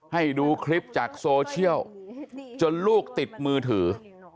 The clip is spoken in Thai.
ให้ดูคลิปจากโซเชียลจนลูกติดมือถือ